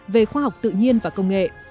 về khoa học tự nhiên và công nghệ